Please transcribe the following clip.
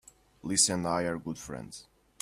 Lisa and I are good friends.